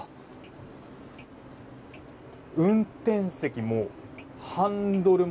運転席もハンドルも。